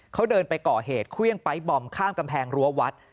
เขาเดินไปก่อเหตุเครื่องไป๊ตบอมข้ามกำแพงรั้ววัด